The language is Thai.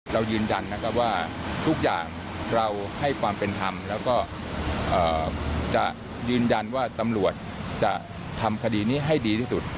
เรายืนยันนะครับว่าทุกอย่างเราให้ความเป็นธรรมแล้วก็จะยืนยันว่าตำรวจจะทำคดีนี้ให้ดีที่สุด